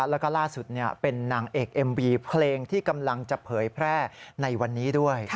แล้วก็ล่าสุดเป็นนางเอกเอ็มวีเพลงที่กำลังจะเผยแพร่ในวันนี้ด้วย